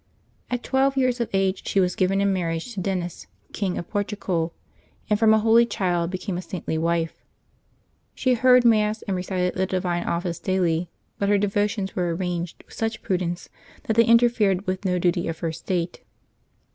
At twelve years of age she was given in marriage to Denis, King of Portugal, and from a holy child became a saintly wife. She heard Mass and recited the Divine Office daily, but her devotions were arranged with such prudence that they interfered with no duty of her state.